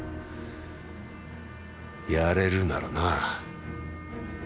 やれるならな。